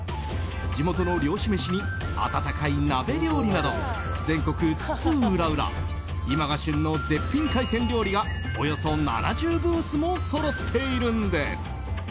地元の漁師飯に温かい鍋料理など全国津々浦々今が旬の絶品海鮮料理がおよそ７０ブースもそろっているんです。